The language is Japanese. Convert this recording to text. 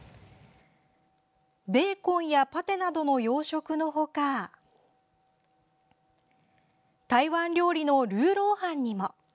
ベーコンやパテなどの洋食の他台湾料理のルーローハンにも。